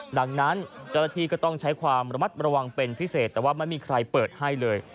ดังนั้นเจ้าหน้าที่ก็ต้องใช้ความระมัดระวังเป็นพิเศษแต่ว่าไม่มีใครเปิดให้เลย